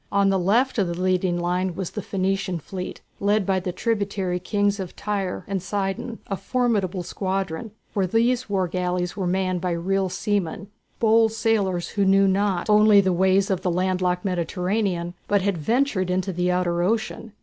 On the left of the leading line was the Phoenician fleet led by the tributary kings of Tyre and Sidon, a formidable squadron, for these war galleys were manned by real seamen, bold sailors who knew not only the ways of the land locked Mediterranean, but had ventured into the outer ocean.